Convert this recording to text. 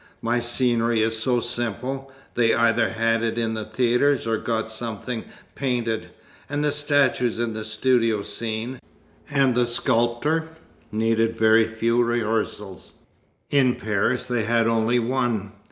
My scenery is so simple, they either had it in the theatres or got something painted: and the statues in the studio scene, and the sculptor, needed very few rehearsals. In Paris they had only one.